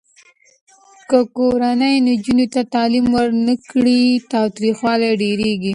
که کورنۍ نجونو ته تعلیم ورنه کړي، تاوتریخوالی ډېریږي.